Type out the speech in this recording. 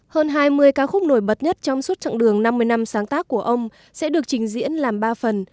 hơn hai mươi ca khúc nổi bật nhất trong suốt chặng đường năm mươi năm sáng tác của ông sẽ được trình diễn làm ba phần